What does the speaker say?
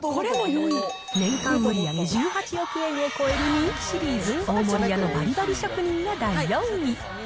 年間売り上げ１８億円を超える人気シリーズ、大森屋のバリバリ職人が第４位。